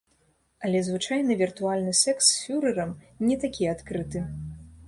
Але звычайна віртуальны сэкс з фюрэрам не такі адкрыты.